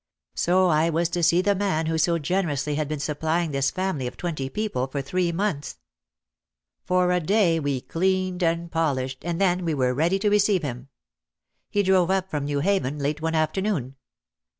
So I was to see the man who so generously had been supplying this family of twenty people for three months. For a day we cleaned and polished and then we were ready to receive him. He drove up from New Haven late one afternoon.